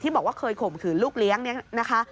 บอกว่าเคยข่มขืนลูกเลี้ยงเนี่ยนะคะ